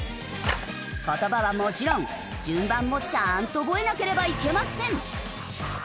言葉はもちろん順番もちゃーんと覚えなければいけません。